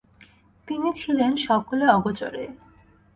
তিনি ছিলেন সকলে অগোচরে।